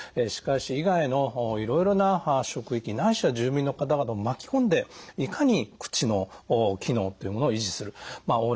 歯科医師以外のいろいろな職域ないしは住民の方々も巻き込んでいかに口の機能っていうものを維持するまあ